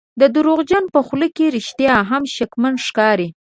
د دروغجن په خوله کې رښتیا هم شکمن ښکاري.